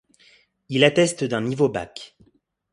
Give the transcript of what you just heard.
Il atteste d'un niveau bac.